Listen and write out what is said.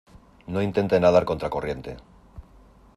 no intente nadar contra la corriente.